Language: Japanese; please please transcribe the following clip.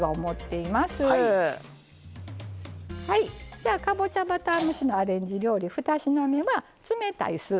じゃあかぼちゃバター蒸しのアレンジ料理２品目は冷たいスープですね。